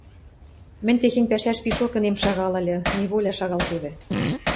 — Мӹнь техень пӓшӓш пишок ӹнем шагал ыльы, неволя шагалтевӹ...